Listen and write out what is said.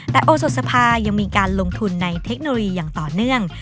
แต่โอสดสภายังมีการลงทุนในเทคโนโลยีอย่างต่อเนื่อง